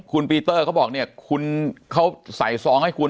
คุณปีเตอร์เขาบอกเนี่ยคุณเขาใส่ซองให้คุณ